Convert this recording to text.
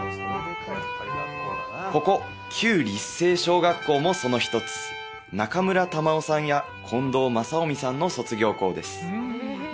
ここ旧立誠小学校もその一つ中村玉緒さんや近藤正臣さんの卒業校です